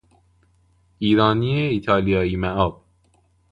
ایرانی ایتالیایی ماب